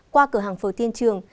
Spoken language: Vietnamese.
qua cửa hàng phố tiên trường